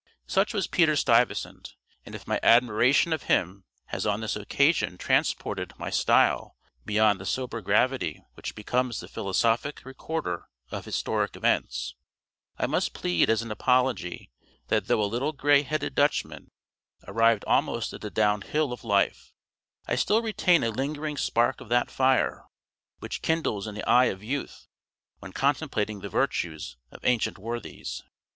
Such was Peter Stuyvesant, and if my admiration of him has on this occasion transported my style beyond the sober gravity which becomes the philosophic recorder of historic events, I must plead as an apology that though a little grey headed Dutchman, arrived almost at the down hill of life, I still retain a lingering spark of that fire which kindles in the eye of youth when contemplating the virtues of ancient worthies.